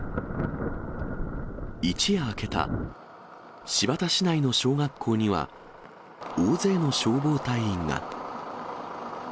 一夜明けた、新発田市内の小学校には、大勢の消防隊員が。